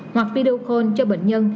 hoặc video call cho bệnh nhân